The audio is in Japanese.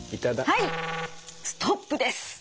はいストップです！